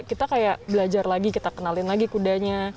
kita kayak belajar lagi kita kenalin lagi kudanya